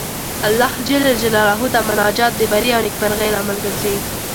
الله جل جلاله ته مناجات د بري او نېکمرغۍ لامل ګرځي.